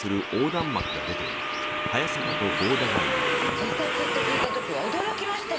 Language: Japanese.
自殺って聞いた時は驚きましたよ。